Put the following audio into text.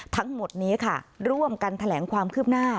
ทั้งหมดนี้ค่ะร่วมกันแถลงความคืบหน้า